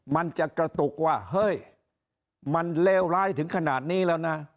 มันจะกระตุกว่าเฮ้ยมันเลวร้ายถึงขนาดนี้แล้วนะ